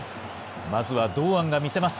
まずは堂安が見せます。